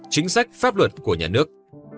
chính sách pháp luật của nhà nước